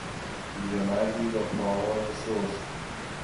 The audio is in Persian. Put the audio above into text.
پیرمردی با پاهای سست